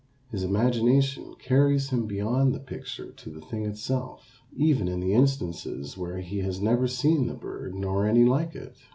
His imagination carries him beyond the picture to the thing itself, even in the instances where he has never seen the bird nor any like it.